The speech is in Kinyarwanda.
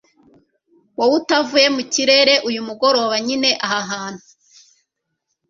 Wowe utavuye mu kirere uyu mugoroba nyine aha hantu